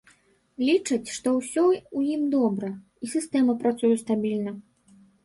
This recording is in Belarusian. Лічаць, што ўсё ў ім добра, і сістэма працуе стабільна.